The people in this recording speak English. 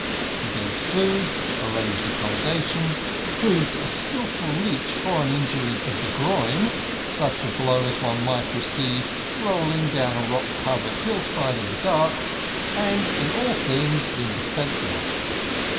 He begged food, arranged accommodation, proved a skilful leech for an injury of the groin—such a blow as one may receive rolling down a rock covered hillside in the dark—and in all things indispensable.